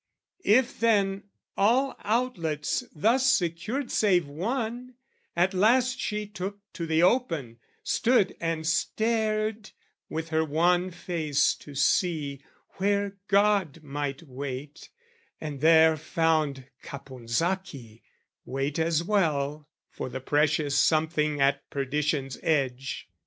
If then, all outlets thus secured save one, At last she took to the open, stood and stared With her wan face to see where God might wait And there found Caponsacchi wait as well For the precious something at perdition's edge.